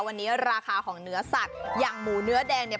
วันนี้ราคาของเนื้อสัตว์อย่างหมูเนื้อแดงเนี่ย